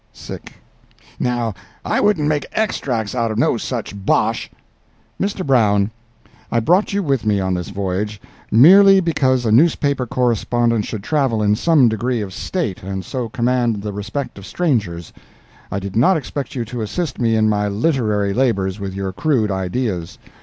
Now, I wouldn't make extracts out of no such bosh." "Mr. Brown, I brought you with me on this voyage merely because a newspaper correspondent should travel in some degree of state, and so command the respect of strangers; I did not expect you to assist me in my literary labors with your crude ideas.